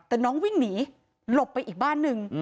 แต่น้องวิ่งหนีหลบไปอีกบ้านหนึ่ง